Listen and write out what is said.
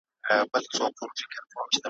نور به نه کرئ غنم په کروندو کي `